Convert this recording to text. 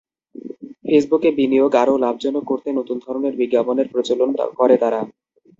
ফেসবুকে বিনিয়োগ আরও লাভজনক করতে নতুন ধরনের বিজ্ঞাপনের প্রচলন করে তারা।